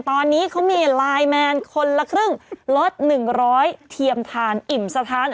ตอนนี้เค้ามีไลน์แมนคนละครึ่งหรอด๑๐๐กิโลเทียมทานอิ่มสะท้าน